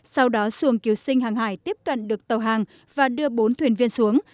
sau đó xuồng cứu sinh hàng hải tiếp cận được tàu hàng và đưa bốn thuyền viên xuống